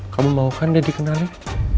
kamu mau kan daddy kenalin